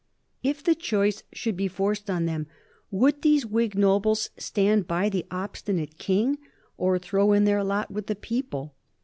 If the choice should be forced on them, would these Whig nobles stand by the obstinate King or throw in their lot with the people?